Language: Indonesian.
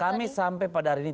kami sampai pada hari ini